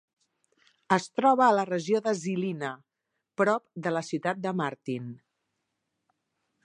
Es troba a la regió de Žilina, prop de la ciutat de Martin.